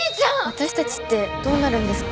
私たちってどうなるんですか？